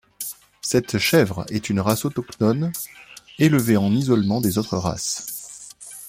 Cette chèvre est une race autochtone élevée en isolement des autres races.